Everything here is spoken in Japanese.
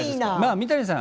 三谷さん